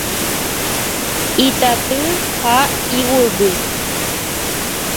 Itaty ha ijyvy.